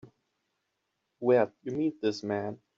Where'd you meet this man?